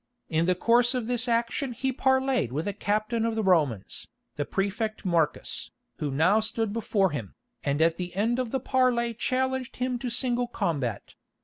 In the course of this action he parleyed with a captain of the Romans, the Prefect Marcus, who now stood before him, and at the end of the parley challenged him to single combat.